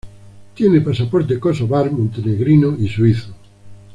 Tiene pasaporte kosovar, montenegrino y suizo.